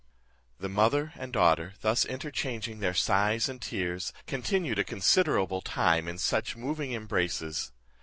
The mother and daughter thus interchanging their sighs and tears, continued a considerable time in such moving embraces.